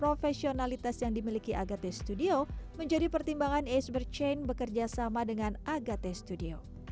profesionalitas yang dimiliki agate studio menjadi pertimbangan ace per chain bekerjasama dengan agate studio